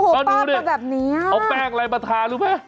โอ้โฮบ้าบก็แบบนี้นะเอาแป้งอะไรมาทารู้ไหม